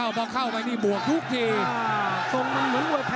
อ้าวอ้าวอ้าวเกิดอะไรขึ้นเนี่ย